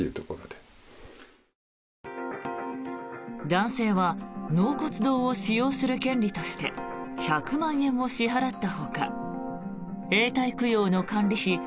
男性は納骨堂を使用する権利として１００万円を支払ったほか永代供養の管理費